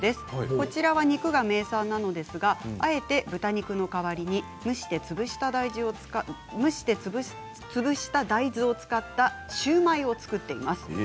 こちらは肉が名産なんですがあえて豚肉の代わりに蒸して潰した大豆を使ったシューマイを作っています。